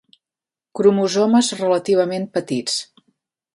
Cromosomes relativament "petits".